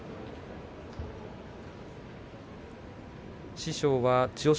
師匠は千代翔